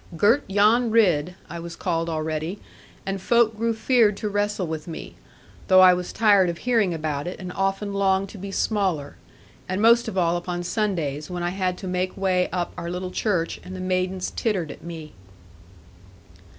'Girt Jan Ridd,' I was called already, and folk grew feared to wrestle with me; though I was tired of hearing about it, and often longed to be smaller. And most of all upon Sundays, when I had to make way up our little church, and the maidens tittered at me.